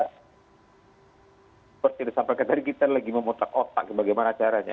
seperti yang disampaikan tadi kita lagi memotak otak bagaimana caranya